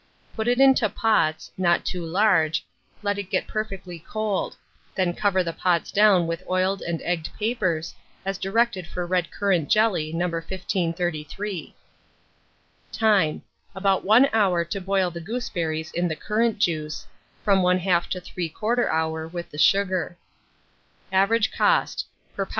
Put it into pots (not too large); let it get perfectly cold; then cover the pots down with oiled and egged papers, as directed for red currant jelly No. 1533. Time. About 1 hour to boil the gooseberries in the currant juice; from 1/2 to 3/4 hour with the sugar. Average cost, per lb.